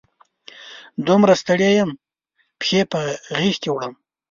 دومره ستړي یمه، پښې په غیږ کې وړمه